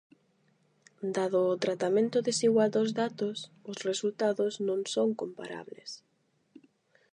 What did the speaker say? Dado o tratamento desigual dos datos, os resultados non son comparables.